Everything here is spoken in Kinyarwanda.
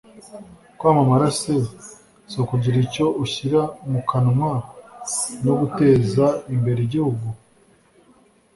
kwamamara se si ukugira icyo ushyira mu kanwa no guteza imbere igihugu